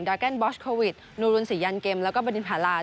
แกนบอสโควิดนูรุนศรียันเกมแล้วก็บริณภารา